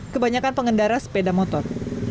kebanyakan pengendara sepeda motor